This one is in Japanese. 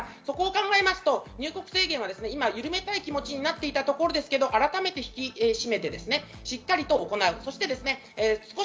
入国制限を今、緩めたい気持ちになっていたところは改めて引き締めてしっかりと行う。